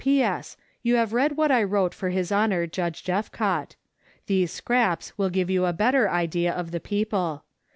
P.S. You have read what I wrote for His Honor Judge Jeffcott. These scraps will give you a better idea of the people.